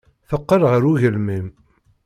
Teqqel ɣer ugelmim.